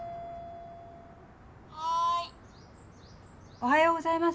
おはようございます